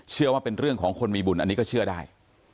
เชื่อว่าเป็นเรื่องของคนมีบุญอันนี้ก็เชื่อได้